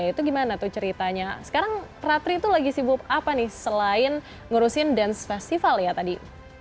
itu gimana tuh ceritanya sekarang ratri itu lagi sibuk apa nih selain ngurusin dance festival ya tadi